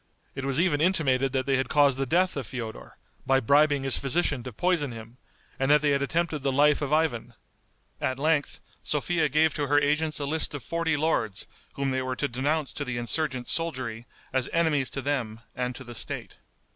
It was even intimated that they had caused the death of Feodor, by bribing his physician to poison him, and that they had attempted the life of Ivan. At length Sophia gave to her agents a list of forty lords whom they were to denounce to the insurgent soldiery as enemies to them and to the State.